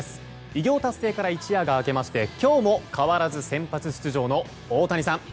偉業達成から一夜が明けまして今日も変わらず先発出場の大谷さん。